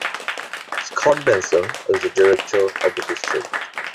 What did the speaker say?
Scott Benson is the director of the district.